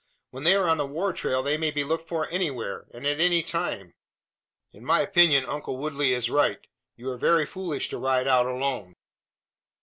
When they are on the war trail they may be looked for anywhere, and at any time. In my opinion, uncle Woodley is rights you are very foolish to ride out alone."